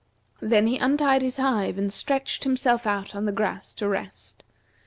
Then he untied his hive and stretched himself out on the grass to rest.